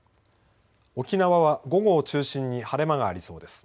沖縄は午後を中心に晴れ間がありそうです。